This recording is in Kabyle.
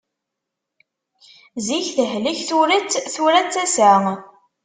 Zik tehlek turet, tura d tasa.